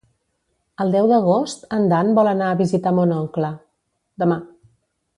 El deu d'agost en Dan vol anar a visitar mon oncle.